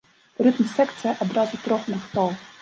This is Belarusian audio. Рытм-секцыя адразу трох гуртоў!